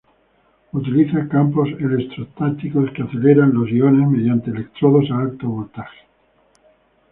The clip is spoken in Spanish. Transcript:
Utiliza campos electrostáticos que aceleran los iones mediante electrodos a alto voltaje.